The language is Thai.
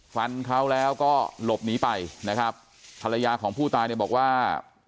ฟันเขาแล้วก็หลบหนีไปนะครับภรรยาของผู้ตายเนี่ยบอกว่า